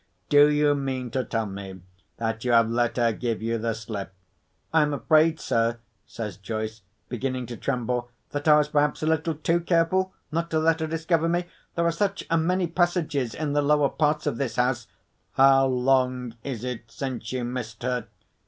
Do you mean to tell me that you have let her give you the slip?" "I am afraid, sir," says Joyce, beginning to tremble, "that I was perhaps a little too careful not to let her discover me. There are such a many passages in the lower parts of this house——" "How long is it since you missed her?"